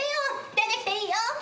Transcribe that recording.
出てきていいよ。